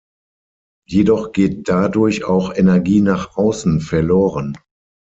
Jedoch geht dadurch auch Energie nach außen verloren.